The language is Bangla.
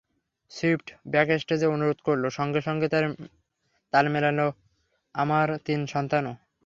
সুইফট ব্যাকস্টেজে অনুরোধ করলো, সঙ্গে সঙ্গে তাল মেলালো আমার তিন সন্তানও।